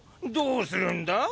どうするんだ？